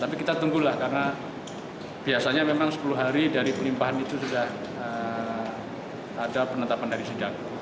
tapi kita tunggulah karena biasanya memang sepuluh hari dari pelimpahan itu sudah ada penetapan dari sidang